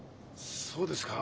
そうですか？